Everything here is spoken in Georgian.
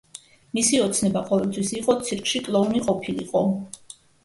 მისი ოცნება ყოველთვის იყო ცირკში კლოუნი ყოფილიყო.